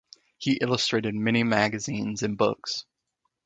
He illustrated many magazines and books.